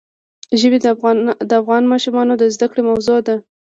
ژبې د افغان ماشومانو د زده کړې موضوع ده.